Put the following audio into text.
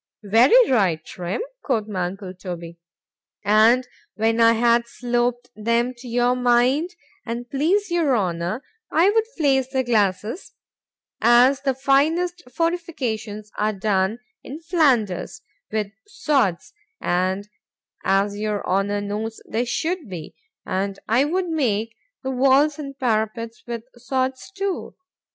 —Very right, Trim, quoth my uncle Toby:—And when I had sloped them to your mind,——an' please your Honour, I would face the glacis, as the finest fortifications are done in Flanders, with sods,——and as your Honour knows they should be,—and I would make the walls and parapets with sods too.